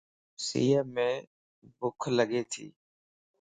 سيءَ مَ ڀوک لڳي تي.